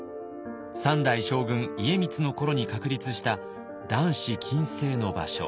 三代将軍家光の頃に確立した男子禁制の場所。